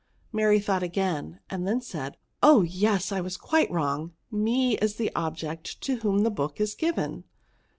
Mary thought again, and then said, " Oh ! yes, I was quite wrong. Me is the object to whom the book is given.